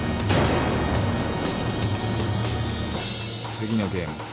次のゲーム